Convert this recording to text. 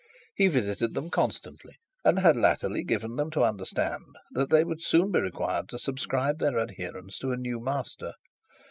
He visited them constantly, and had latterly given them to understand that they would soon be required to subscribe their adherence to a new master.